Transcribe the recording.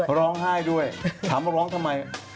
ร้องไห้ด้วยถามว่าร้องทำไม